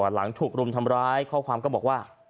หลังถูกรุมทำร้ายข้อความก็บอกว่า